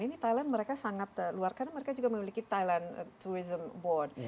ini thailand mereka sangat luar karena mereka juga memiliki thailand tourism board